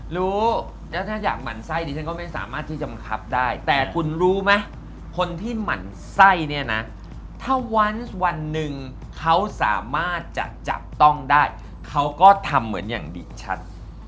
รู้แล้วถ้าอยากหมั่นไส้ดิฉันก็ไม่สามารถที่จะบังคับได้แต่คุณรู้ไหมคนที่หมั่นไส้เนี่ยนะถ้าวันหนึ่งเขาสามารถจะจับต้องได้เขาก็ทำเหมือนอย่างดิชัด